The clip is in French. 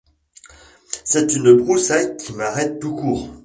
C’est une broussaille qui m’arrête tout court.